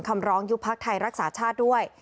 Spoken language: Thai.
คำร้องยุบภาครักษาชาชาติด้วย